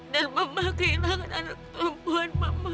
dan mama kehilangan anak perempuan mama